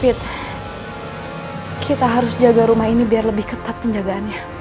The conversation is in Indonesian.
fit kita harus jaga rumah ini biar lebih ketat penjagaannya